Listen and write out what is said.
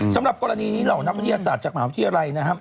สำหรับกรณีเหล่านักวิทยาศาสตร์จากมหาวิทยาลัยนะครับ